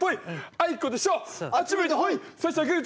あいこでしょ！